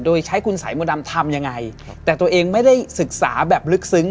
โดยใช้คุณสายมนต์ดำทำยังไงแต่ตัวเองไม่ได้ศึกษาแบบลึกซึ้ง